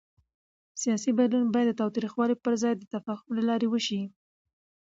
سیاسي بدلون باید د تاوتریخوالي پر ځای د تفاهم له لارې وشي